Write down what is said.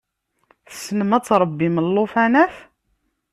Tessnem ad tṛebbim llufanat?